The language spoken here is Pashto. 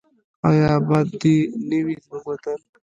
آیا اباد دې نه وي زموږ وطن؟